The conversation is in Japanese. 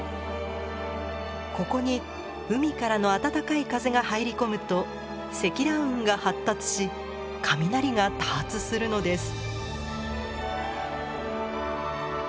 ここに海からの暖かい風が入り込むと積乱雲が発達し雷が多発するのです。